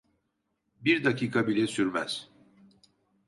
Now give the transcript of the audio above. Bir dakika bile sürmez.